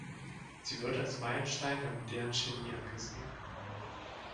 Sie wird als Meilenstein der modernen Chemie angesehen.